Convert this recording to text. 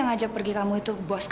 jangan pernah kamu ulangi itu lagi